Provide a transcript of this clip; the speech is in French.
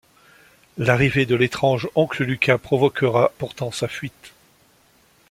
L'arrivée de l'étrange oncle Lucas provoquera pourtant sa fuite…